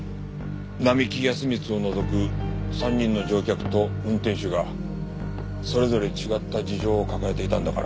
並木安光を除く３人の乗客と運転手がそれぞれ違った事情を抱えていたんだから。